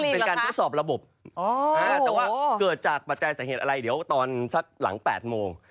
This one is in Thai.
เป็นการทดสอบระบบแต่ว่าเกิดจากปัจจัยสาเหตุอะไรเดี๋ยวตอนสักหลัง๘โมง